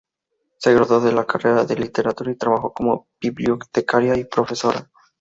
Se graduó de la carrera de literatura y trabajó como bibliotecaria y profesora.